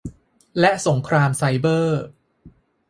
และสงครามไซเบอร์